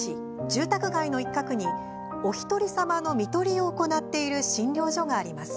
住宅街の一角におひとりさまのみとりを行っている診療所があります。